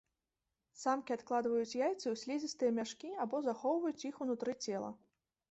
Самкі адкладваюць яйцы ў слізістыя мяшкі або захоўваюць іх унутры цела.